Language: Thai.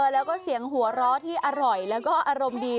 แล้วก็เสียงหัวเราะที่อร่อยแล้วก็อารมณ์ดี